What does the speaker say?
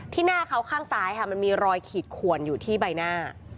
หน้าเขาข้างซ้ายค่ะมันมีรอยขีดขวนอยู่ที่ใบหน้า